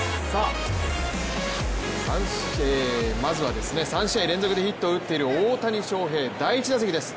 まずは３試合連続でヒットを打っている大谷翔平、第１打席です。